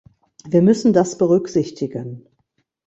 Wir müssen das berücksichtigen.